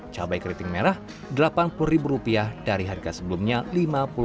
cabai keriting merah rp delapan puluh dari harga sebelumnya rp lima puluh